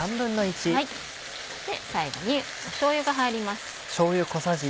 最後にしょうゆが入ります。